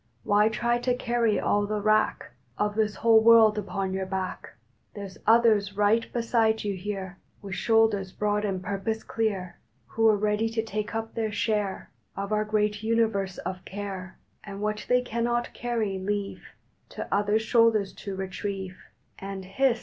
Why try to carry all the wrack Of this whole world upon your back? There s others right beside you here With shoulders broad and purpose clear Who re ready to take up their share Of our great Universe of care, And what they cannot carry leave To other shoulders to retrieve; And hist!